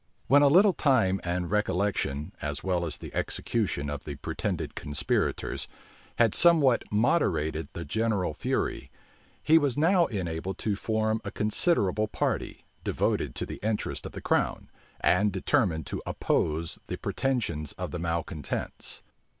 When a little time and recollection, as well as the execution of the pretended conspirators, had somewhat moderated the general fury, he was now enabled to form a considerable party, devoted to the interests of the crown, and determined to oppose the pretensions of the malecontents.